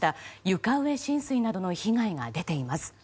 床上浸水などの被害が出ています。